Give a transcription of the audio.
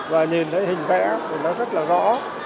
và nhìn thấy hình vẽ thì nó rất là rõ